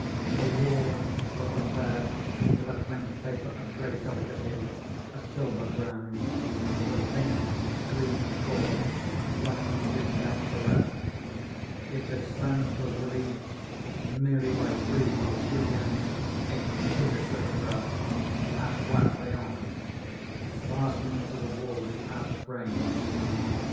The walls were prepared with a French paper of great delicacy, a silver ground, with a faint green cord running zig zag throughout. Its expanse was relieved merely by three of Julien's exquisite lithographs a trois crayons, fastened to the wall without frames.